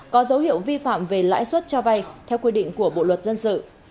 có dấu hiệu vi phạm về lãi suất cho vay theo quy định của bộ luật dân sự